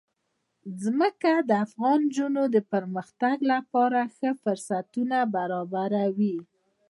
ځمکه د افغان نجونو د پرمختګ لپاره ښه فرصتونه برابروي.